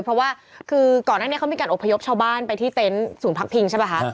เพราะว่าคือก่อนหน้านี้เขามีการอบพยพชาวบ้านไปที่เต็นต์ศูนย์พักพิงใช่ป่ะคะ